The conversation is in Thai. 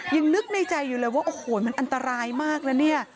ยังนึกในใจอยู่เลยว่าโอ้โหมันอันตรายมากนะเนี่ย